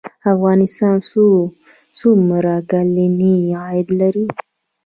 افغانستان څومره کلنی عاید لري؟